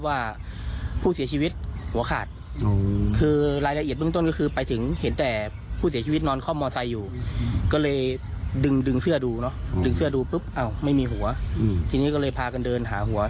หัวคือฝังลงไปในคอนโซลหน้าเลย